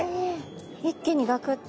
一気にガクッと。